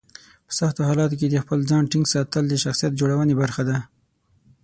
په سختو حالاتو کې د خپل ځان ټینګ ساتل د شخصیت جوړونې برخه ده.